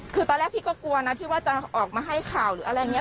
คือตอนแรกพี่ก็กลัวนะที่ว่าจะออกมาให้ข่าวหรืออะไรอย่างนี้